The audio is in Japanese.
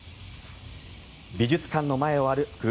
美術館の前を歩く